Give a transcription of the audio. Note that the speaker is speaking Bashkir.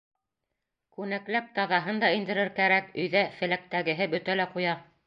Күнәкләп таҙаһын да индерер кәрәк, өйҙә феләктәгеһе бөтә лә ҡуя.